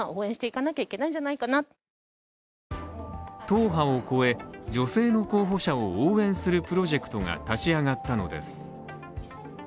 党派を超え、女性の候補者を応援するプロジェクトが立ち上がったのです。